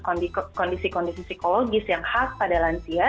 kondisi kondisi psikologis yang khas pada lansia